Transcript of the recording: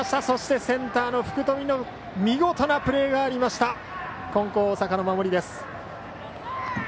そしてセンターの福冨の見事なプレーがありました。